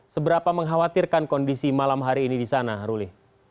seberapa mengkhawatirkan kondisi malam hari ini di sana ruli